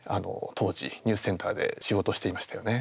当時、ニュースセンターで仕事をしていましたよね。